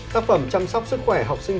tác phẩm chăm sóc sức khỏe học sinh